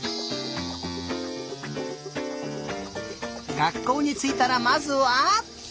がっこうについたらまずは？